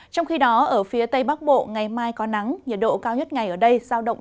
trong khi đó ở phía tây bắc bộ ngày mai có nắng nhiệt độ cao nhất ngày ở đây giao động